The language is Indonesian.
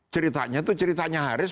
ceritanya tuh ceritanya haris